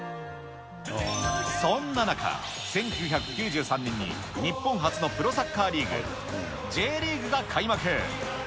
そんな中、１９９３年に日本初のプロサッカーリーグ・Ｊリーグが開幕。